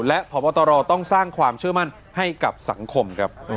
และพบตรต้องสร้างความเชื่อมั่นให้กับสังคมครับ